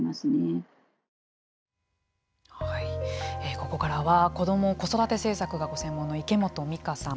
ここからは子ども・子育て政策がご専門の池本美香さん。